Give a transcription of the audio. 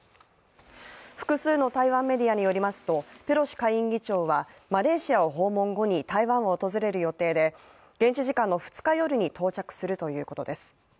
複数の台湾メディアによりますとペロシ下院議長はマレーシアを訪問後に台湾を訪れる予定で現地時間の２日夜に到着するということです。